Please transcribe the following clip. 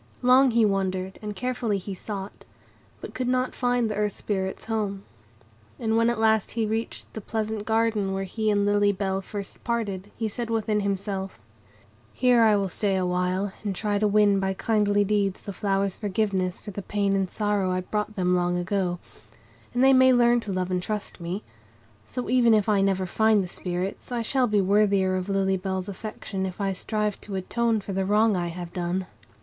Long he wandered, and carefully he sought; but could not find the Earth Spirits' home. And when at length he reached the pleasant garden where he and Lily Bell first parted, he said within himself,— "Here I will stay awhile, and try to win by kindly deeds the flowers' forgiveness for the pain and sorrow I brought them long ago; and they may learn to love and trust me. So, even if I never find the Spirits, I shall be worthier of Lily Bell's affection if I strive to atone for the wrong I have done."